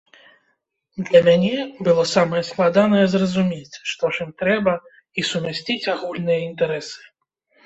Для мяне было самае складанае зразумець, што ж ім трэба, і сумясціць агульныя інтарэсы.